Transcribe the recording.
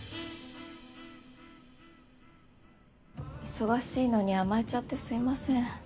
忙しいのに甘えちゃってすいません。